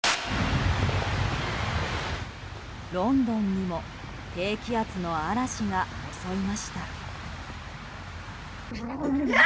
ロンドンにも低気圧の嵐が襲いました。